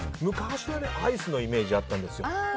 昔はアイスのイメージがあったんですよ。